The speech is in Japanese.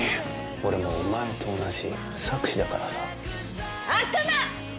俺もお前と同じ策士だからさ悪魔！